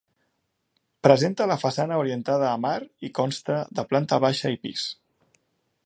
Presenta la façana orientada a mar i consta de planta baixa i pis.